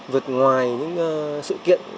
vượt ngoài những sự kiện